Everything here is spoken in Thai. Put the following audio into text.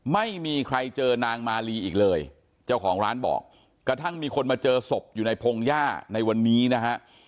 ไม่มีใครเจอนางมาลีอีกเลยเจ้าของร้านบอกกระทั่งมีคนมาเจอศพอยู่ในพงหญ้าในวันนี้นะฮะ